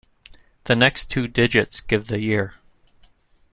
The next two digits give the year.